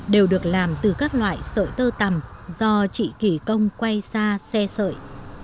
đều được làm từ các loại sợi tơ tằm do trị kỷ công quay xa xe sợi